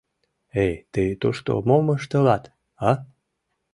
— Эй, тый тушто мом ыштылат, а?